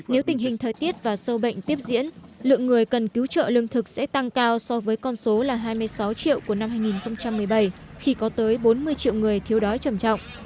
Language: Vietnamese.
nếu tình hình thời tiết và sâu bệnh tiếp diễn lượng người cần cứu trợ lương thực sẽ tăng cao so với con số là hai mươi sáu triệu của năm hai nghìn một mươi bảy khi có tới bốn mươi triệu người thiếu đói trầm trọng